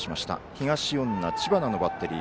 東恩納、知花のバッテリー。